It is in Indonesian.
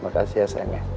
makasih ya sayangnya